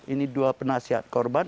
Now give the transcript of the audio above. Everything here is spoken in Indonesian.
ini dua penasehat korban